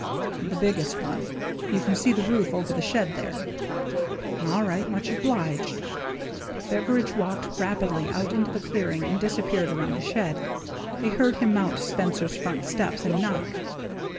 "The biggest one. You can see the roof over that shed there." "All right. MuchobUged." Beveridge walked rapidly out into the clear ing and disappeared around the shed. They heard him mount Spencer's front steps and knock.